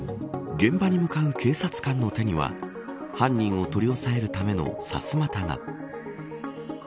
現場に向かう警察官の手には犯人を取り押さえるためのさすまたが。